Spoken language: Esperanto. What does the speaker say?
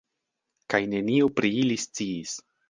Kaj neniu pri ili sciis.